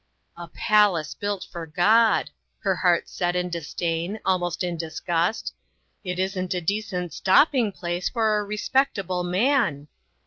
"A palace built for God !" her heart said in disdain, almost in disgust. " It isn't a decent stopping place for a respectable man."